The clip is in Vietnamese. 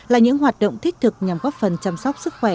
là những hoạt động thích thực nhằm góp phần chăm sóc sức khỏe